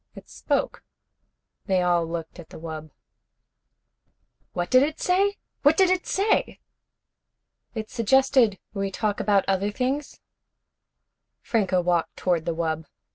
"It spoke." They all looked at the wub. "What did it say? What did it say?" "It suggested we talk about other things." Franco walked toward the wub.